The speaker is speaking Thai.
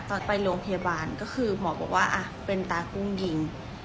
ตอนไปโรงพยาบาลก็คือหมอบอกว่าเป็นตากุ้งยิง